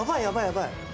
やばい！